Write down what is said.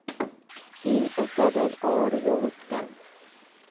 Ил-Әсәбеҙ ауыр юл үткән.